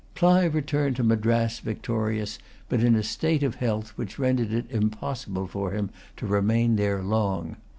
Clive returned to Madras victorious, but in a state of health which rendered it impossible for him to remain there long.